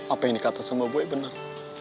apa yang dikata sama gue bener